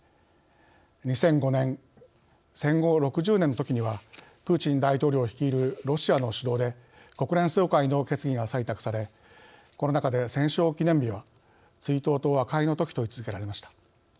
２００５年戦後６０年のときにはプーチン大統領率いるロシアの主導で国連総会の決議が採択されこの中で戦勝記念日は「追悼と和解」のときと位置づけられました。